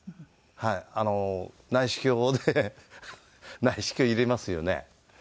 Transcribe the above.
内視鏡で内視鏡入れますよね？